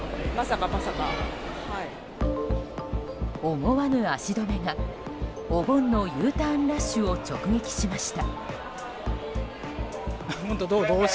思わぬ足止めがお盆のＵターンラッシュを直撃しました。